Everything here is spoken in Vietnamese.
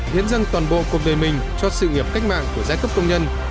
hiến dân toàn bộ cùng về mình cho sự nghiệp cách mạng của giai cấp công nhân